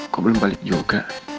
kok belum balik yoga